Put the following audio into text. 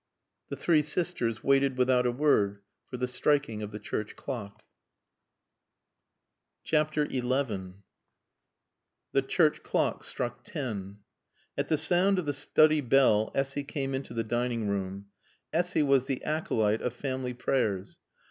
The three sisters waited without a word for the striking of the church clock. XI The church clock struck ten. At the sound of the study bell Essy came into the dining room. Essy was the acolyte of Family Prayers.